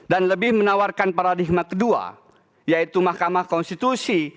dan lebih menawarkan paradigma kedua yaitu mahkamah konstitusi